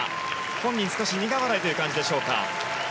本人少し苦笑いという感じでしょうか。